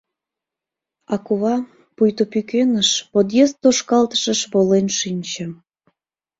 А кува, пуйто пӱкеныш, подъезд тошкалтышыш волен шинче